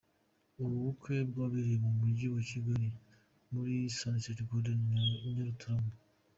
Ubu bukwe bwabereye mu Mujyi wa Kigali muri Sunset Gardens i Nyarutarama.